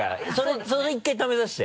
それ１回試させて。